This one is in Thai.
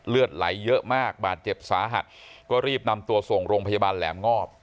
เลือดไหลเยอะมากบาดเจ็บสาหัสก็รีบนำตัวส่งโรงพยาบาลแหลมงอบ